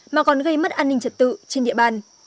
mà còn gây mất an ninh trật tự trên địa bàn